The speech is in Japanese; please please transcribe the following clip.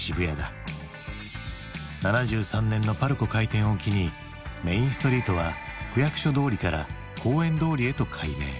７３年のパルコ開店を機にメインストリートは区役所通りから公園通りへと改名。